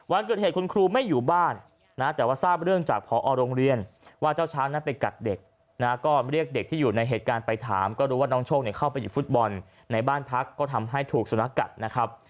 วันเกิดเหตุคุณครูไม่อยู่บ้านนะแต่ว่าทราบเรื่องจากพอโรงเรียนว่าเจ้าช้างนั้นไปกัดเด็กนะก็เรียกเด็กที่อยู่ในเหตุการณ์ไปถามก็รู้ว่าน้องโชคเข้าไปอยู่ฟุตบอลในบ้านพักก็ทำให้ถูกสุนัขกัดนะครับ